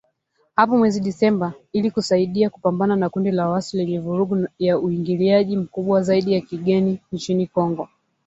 hapo mwezi Disemba ili kusaidia kupambana na kundi la waasi lenye vurugu ya uingiliaji mkubwa zaidi wa kigeni nchini Kongo